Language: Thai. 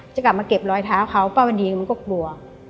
จะกลับมาเก็บรอยเท้าเขาป้าวันดีมันก็กลัว